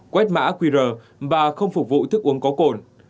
quét mã qr và không phục vụ thức uống có cồn